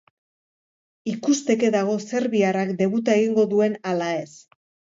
Ikusteke dago serbiarrak debuta egingo duen ala ez.